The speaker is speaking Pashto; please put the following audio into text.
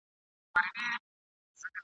ماته راوړه په ګېډیو کي رنګونه !.